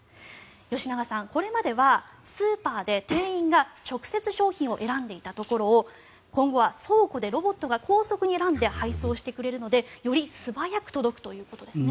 吉永さん、これまではスーパーで店員が直接商品を選んでいたところを今後は倉庫でロボットが高速で選んで配送してくれるのでより素早く届くということですね。